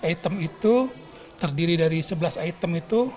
item itu terdiri dari sebelas item itu